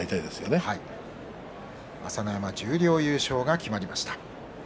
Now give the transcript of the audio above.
朝乃山の十両優勝が決まりました。